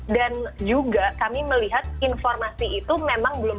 dan juga kami melihat informasi itu memang belum rata